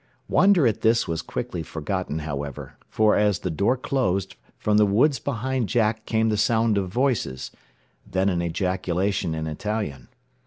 Wonder at this was quickly forgotten, however, for as the door closed from the woods behind Jack came the sound of voices, then an ejaculation in Italian.